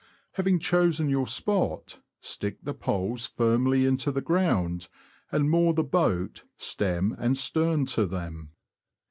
Having chosen your spot, stick the poles firmly into the ground, and moor the boat stem and stern to them.